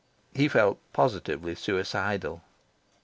He felt positively suicidal.